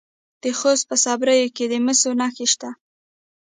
د خوست په صبریو کې د مسو نښې شته.